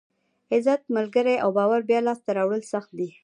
عزت، ملګري او باور بیا لاسته راوړل سخت دي.